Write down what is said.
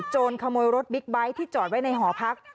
ขโมยรถบิ๊กไบท์ที่จอดไว้ในหอพัก